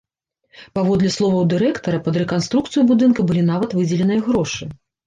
Паводле словаў дырэктара, пад рэканструкцыю будынка былі нават выдзеленыя грошы.